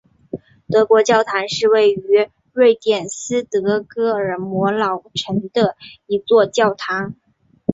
德国教堂是位于瑞典斯德哥尔摩老城的一座教堂。